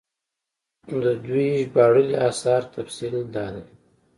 د دوي ژباړلي اثارو تفصيل دا دی